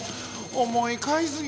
おもいかいすぎた。